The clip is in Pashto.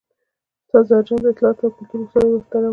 ، استاد زرجان، د اطلاعات او کلتور اوسنی وزیرمحترم